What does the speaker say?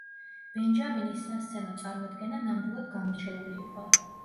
ბენჯამინის სასცენო წარმოდგენა ნამდვილად გამორჩეული იყო.